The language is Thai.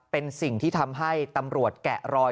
เป็นสิ่งที่ทำให้ตำรวจแกะรอย